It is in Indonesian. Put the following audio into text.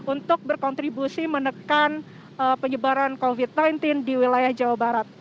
untuk berkontribusi menekan penyebaran covid sembilan belas di wilayah jawa barat